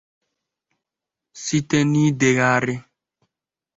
site n'idegharị